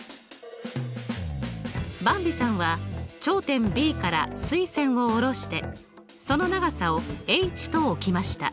ばんびさんは頂点Ｂから垂線を下ろしてその長さをｈと置きました。